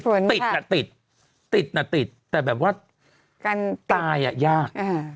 ติดหน่ะติดติดหน่ะติดแต่การตายอะยาก